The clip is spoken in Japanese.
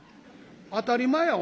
「当たり前や。